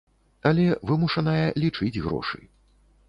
Але вымушаная лічыць грошы.